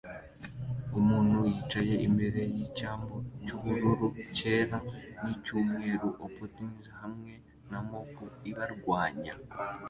Umuntu yicaye imbere yicyambu cyubururu cyera nicyumweru-o-potties hamwe na mope ibarwanya